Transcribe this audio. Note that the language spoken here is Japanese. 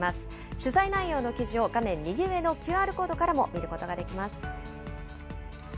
取材内容の記事を画面右上のＱＲコードからも見ることができます。